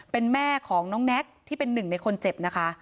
เป็นแม่ของน้องแน็กที่เป็นหนึ่งในคนเจ็บนะคะ